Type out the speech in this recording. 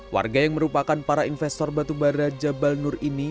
warga yang merupakan para investor batu bara jabal nur ini